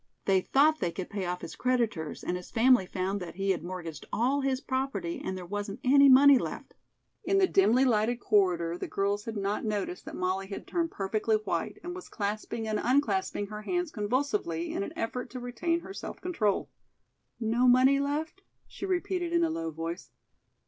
They thought they could pay off his creditors and his family found that he had mortgaged all his property and there wasn't any money left." In the dimly lighted corridor the girls had not noticed that Molly had turned perfectly white and was clasping and unclasping her hands convulsively in an effort to retain her self control. "No money left?" she repeated in a low voice.